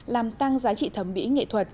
làm tăng giá trị thẩm mỹ nghệ thuật